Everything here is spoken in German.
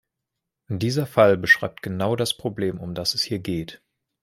Dieser Fall beschreibt genau das Problem, um das es hier geht.